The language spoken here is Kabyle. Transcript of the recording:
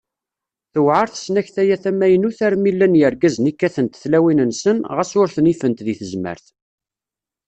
Tewɛer tesnakta-a tamaynut armi llan yirgazen i kkatent tlawin-nsen, ɣas ur ten-ifent deg tezmert.